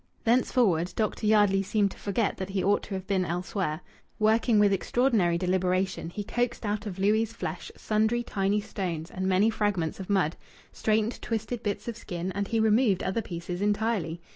Thenceforward Dr. Yardley seemed to forget that he ought to have been elsewhere. Working with extraordinary deliberation, he coaxed out of Louis' flesh sundry tiny stones and many fragments of mud, straightened twisted bits of skin, and he removed other pieces entirely.